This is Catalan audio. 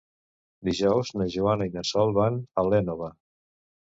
Dijous na Joana i na Sol van a l'Énova.